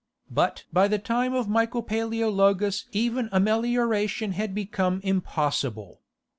But by the time of Michael Paleologus even amelioration had become impossible.